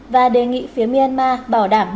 và đề nghị phía myanmar bảo đảm nơi ăn trốn